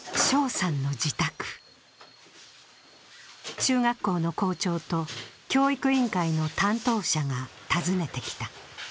中学校の校長と教育委員会の担当者が訪ねてきた。